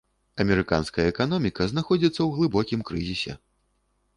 Амерыканская эканоміка знаходзіцца ў глыбокім крызісе.